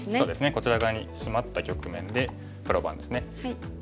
こちら側にシマった局面で黒番ですね。